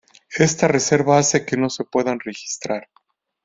Esta reserva hace que no se puedan registrar.